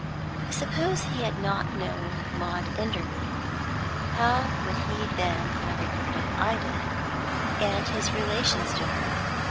Suppose he had not known Maud Enderby, how would he then have regarded Ida, and his relations to her?